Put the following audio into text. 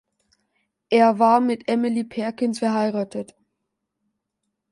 Er war mit Emily Perkins verheiratet.